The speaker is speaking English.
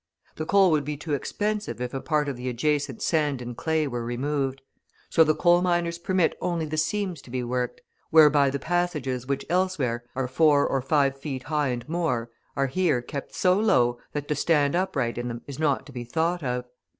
The coal would be too expensive if a part of the adjacent sand and clay were removed; so the mine owners permit only the seams to be worked; whereby the passages which elsewhere are four or five feet high and more are here kept so low that to stand upright in them is not to be thought of.